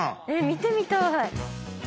見てみたい。